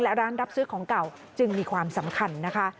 และร้านรับซื้อของเก่าจึงมีความสำคัญนะคะ